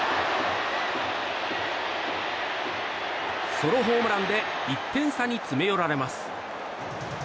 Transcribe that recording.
ソロホームランで１点差に詰め寄られます。